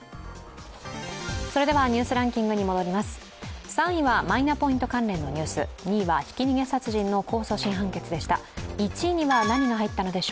それでは「ニュースランキング」に戻ります。